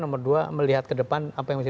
nomor dua melihat ke depan apa yang bisa